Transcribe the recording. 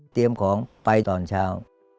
เตรียมของไปตอนเช้า